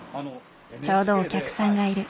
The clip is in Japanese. ちょうどお客さんがいる。